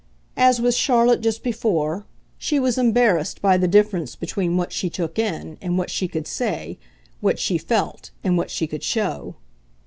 As with Charlotte just before, she was embarrassed by the difference between what she took in and what she could say, what she felt and what she could show.